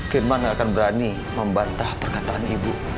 firman yang akan berani membantah perkataan ibu